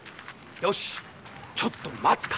よしちょっと待つか。